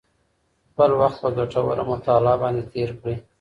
خپل وخت په ګټوره مطالعه باندې تېر کړئ.